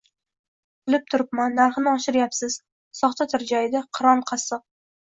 – Bilib turibman, narxini oshiryapsiz, – soxta tirjaydi Qiron qassob